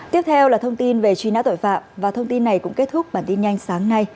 tiếp theo là thông tin về truy nã tội phạm và thông tin này cũng kết thúc bản tin nhanh sáng nay